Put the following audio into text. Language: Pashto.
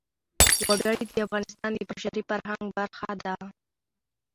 وګړي د افغانستان د بشري فرهنګ برخه ده.